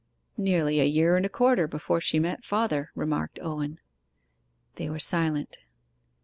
'Nearly a year and a quarter before she met father,' remarked Owen. They were silent.